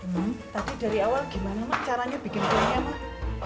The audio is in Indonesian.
mak tadi dari awal gimana mak caranya bikin gulanya mak